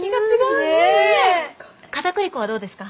片栗粉はどうですか？